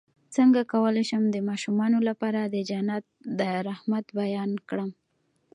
څنګه کولی شم د ماشومانو لپاره د جنت د رحمت بیان کړم